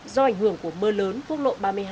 do ảnh hưởng của mưa lớn phúc lộ ba mươi hai